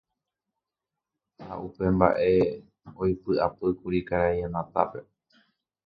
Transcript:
ha upe mba'e oipy'apýkuri karai Anatápe.